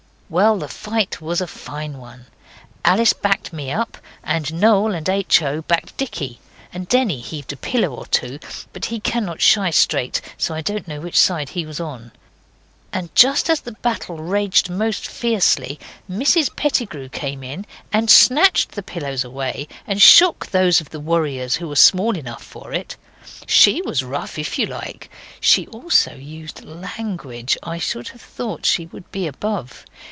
Well, the fight was a very fine one. Alice backed me up, and Noel and H. O. backed Dicky, and Denny heaved a pillow or two; but he cannot shy straight, so I don't know which side he was on. And just as the battle raged most fiercely, Mrs Pettigrew came in and snatched the pillows away, and shook those of the warriors who were small enough for it. SHE was rough if you like. She also used language I should have thought she would be above.